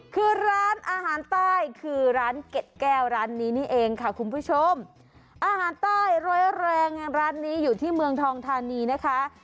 คือร้านอาหารใต้คือร้านเก็ดแก้วร้านนี้นี่เองค่ะคุณผู้ชมอาหารใต้ร้อยแรงอย่างร้านนี้อยู่ที่เมืองทองทานีนะคะ